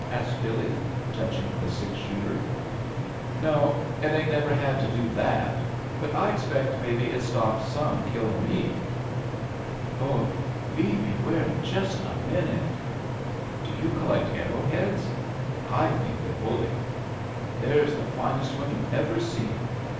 asked BiUy, touching the six shooter. "No. It 'ain't never had to do that, A JOURNEY IN SEARCH OF CHRISTMAS but I expect maybe it's stopped some killia' me." "Oh, leave me wear it Just a mioutel Do you collect arrow heads? I thiok they're buUy. There's the finest one you ever seen."